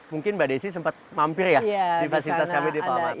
mungkin mbak desi sempat mampir ya di fasilitas kami di pawai